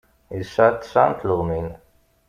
Yesɛa tesɛa n tleɣmin.